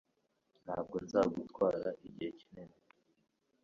Ntabwo nzagutwara igihe kinini